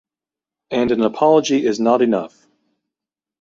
And an apology is not enough.